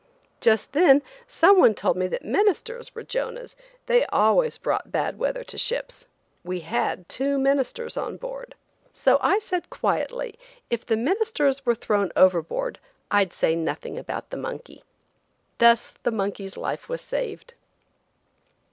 Just then some one told me that ministers were Jonahs; they always brought bad weather to ships. We had two ministers on board! So I said quietly, if the ministers were thrown overboard I'd say nothing about the monkey. Thus the monkey's life was saved.